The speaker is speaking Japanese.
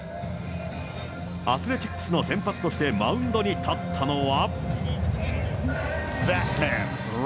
アスレチックスの先発としてマウンドに立ったのは。